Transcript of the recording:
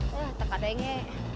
tidak ada lagi